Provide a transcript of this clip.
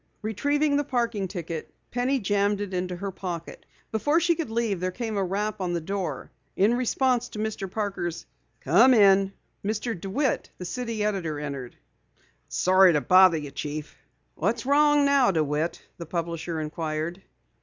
Retrieving the parking ticket, Penny jammed it into her pocket. Before she could leave there came a rap on the door. In response to Mr. Parker's "Come in," Mr. DeWitt, the city editor, entered. "Sorry to bother you, Chief." "What's wrong now, DeWitt?" the publisher inquired.